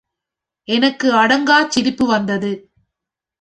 எனக்கு அடங்காச் சிரிப்பு வந்தது.